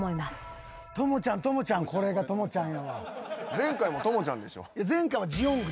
前回も朋ちゃんでしょ。